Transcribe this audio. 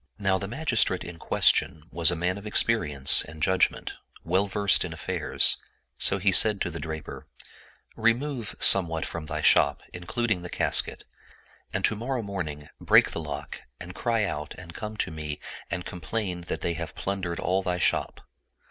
Now the magistrate in question was a man of experience and judgment, well versed in affairs ; so he said to the draper, " Remove somewhat from thy shop, including the casket, and to morrow morning break the lock and cry out and come to me and complain that they have plundered all thy shop.